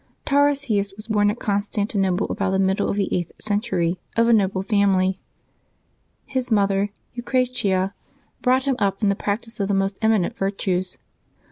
^^ARASius was born at Constantinople about the middle ^y of the eighth century, of a noble family. His mother Eucratia, brought him up in the practice of the most eminent virtues.